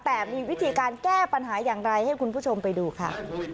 แต่มีวิธีการแก้ปัญหาอย่างไรให้คุณผู้ชมไปดูค่ะ